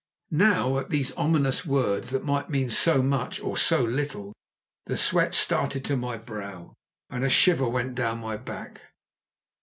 Now, at these ominous words, that might mean so much or so little, the sweat started to my brow, and a shiver went down my back.